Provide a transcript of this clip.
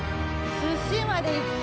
寿司までいった！